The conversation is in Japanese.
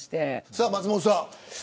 さあ、松本さん。